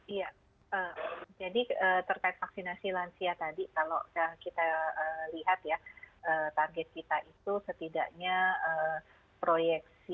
iya jadi terkait vaksinasi lansia tadi kalau kita lihat ya target kita itu setidaknya proyeksi